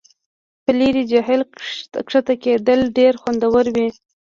په لرې جهیل کښته کیدل ډیر خوندور وي